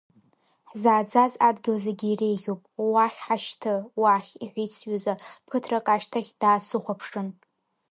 Ҳзааӡаз адгьыл зегьы иреиӷьуп, уахь ҳашьҭы, уахь, — иҳәеит сҩыза, ԥыҭрак ашьҭахь даасыхәаԥшын.